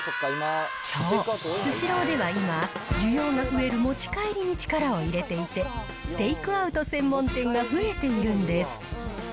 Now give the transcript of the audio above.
そう、スシローでは今、需要が増える持ち帰りに力を入れていて、テイクアウト専門店が増えているんです。